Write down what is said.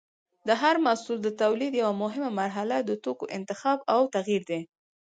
د هر محصول د تولید یوه مهمه مرحله د توکو انتخاب او تغیر دی.